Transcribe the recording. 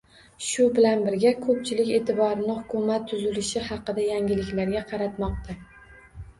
Shu bilan birga, ko'pchilik e'tiborini hukumat tuzilishi haqidagi yangiliklarga qaratmoqda